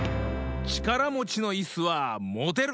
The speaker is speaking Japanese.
ちからもちのいすはもてる！